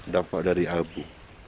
dampak dari abu